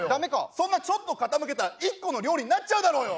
そんなちょっと傾けたら一個の料理になっちゃうだろうよ！